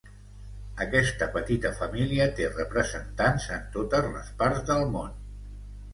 Aquesta petita família té representants en totes les parts del món.